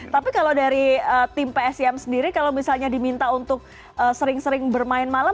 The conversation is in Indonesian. tapi kalau dari tim psm sendiri kalau misalnya diminta untuk sering sering bermain malam